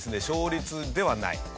勝率ではない。